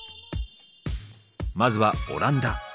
まずはオランダ。